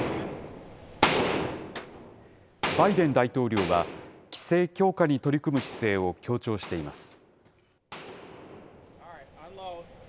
バイデン大統領は、規制強化に取り組む姿勢を強調しています。